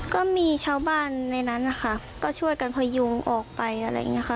ก็มีชาวบ้านในนั้นนะคะก็ช่วยกันพยุงออกไปอะไรอย่างนี้ค่ะ